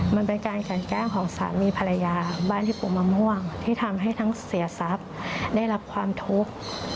มันเป็นการกันแกล้งของสามีภรรยาบ้านที่ปลูกมะม่วงที่ทำให้ทั้งเสียทรัพย์ได้รับความทุกข์